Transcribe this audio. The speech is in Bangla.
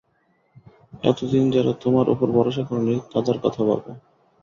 এতদিন যারা তোমার ওপর ভরসা করেনি, তাদের কথা ভাবো।